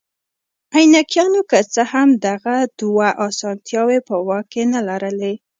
اینکایانو که څه هم دغه دوه اسانتیاوې په واک کې نه لرلې.